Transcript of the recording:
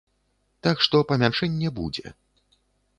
Так што, памяншэнне будзе.